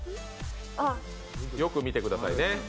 あよく見てくださいね。